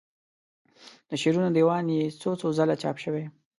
د شعرونو دیوان یې څو څو ځله چاپ شوی.